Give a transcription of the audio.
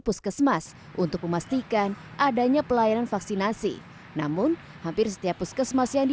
puskesmas untuk memastikan adanya pelayanan vaksinasi namun hampir setiap puskesmas yang